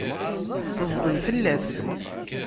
Tezḍem fell-as.